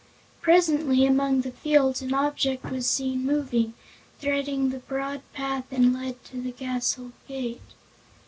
Presently among the fields an object was seen moving, threading the broad path that led to the castle gate.